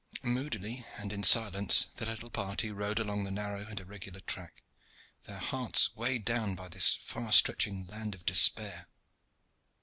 Moodily and in silence the little party rode along the narrow and irregular track, their hearts weighed down by this far stretching land of despair.